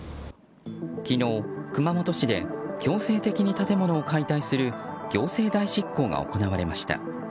昨日、熊本市で強制的に建物を解体する行政代執行が行われました。